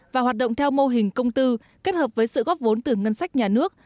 và hoạt động theo mô hình công tư kết hợp với sự góp vốn từ ngân sách nhà nước